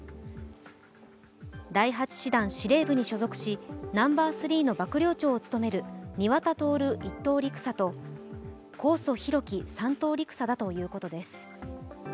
第８師団司令部に所属しナンバー３の幕僚長を務める庭田徹１等陸佐と神尊皓基３等陸佐だということです